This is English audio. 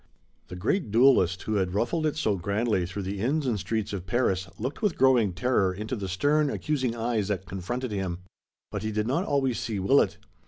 The great duelist who had ruffled it so grandly through the inns and streets of Paris looked with growing terror into the stern, accusing eyes that confronted him. But he did not always see Willet.